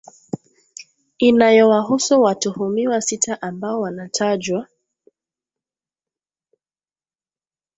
inayowahusu watuhumiwa sita ambao wanatajwa